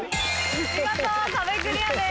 見事壁クリアです。